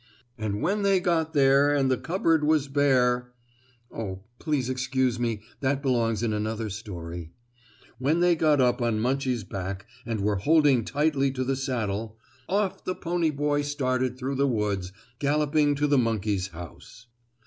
And when they got there and the cupboard was bare oh, please excuse me, that belongs in another story when they got up on Munchie's back and were holding tightly to the saddle, off the pony boy started through the woods, galloping to the monkey's house.